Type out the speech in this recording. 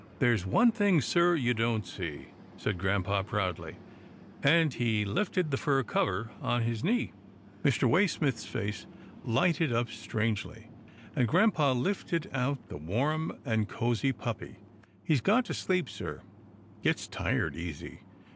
" There's one thing, sir, you don't see," said grampa proudly, and he lifted the fur cover on his knee. Mr. Waysmith's face lighted up strangely, and grampa lifted out the warm and cosy puppy. " He's gone to sleep, sir, gets tired easy.